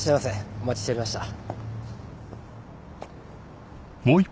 お待ちしておりました。